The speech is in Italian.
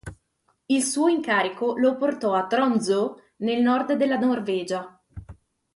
Il suo incarico lo portò a Tromsø, nel nord della Norvegia.